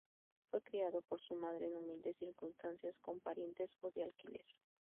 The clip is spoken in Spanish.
Fue criado por su madre en humildes circunstancias con parientes o de alquiler.